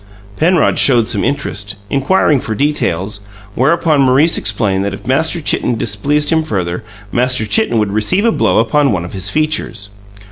Penrod showed some interest, inquiring for details, whereupon Maurice explained that if Master Chitten displeased him further, Master Chitten would receive a blow upon one of his features.